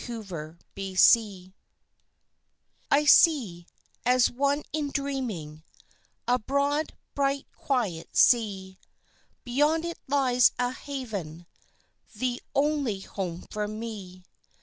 Outre Mer I see, as one in dreaming, A broad, bright, quiet sea; Beyond it lies a haven The only home for me.